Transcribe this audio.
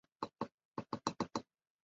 该公墓墓区种植着松柏和花草。